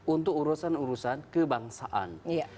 untuk urusan urusan kebangsaan